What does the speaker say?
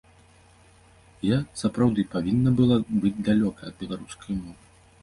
І я сапраўды павінна была быць далёка ад беларускай мовы.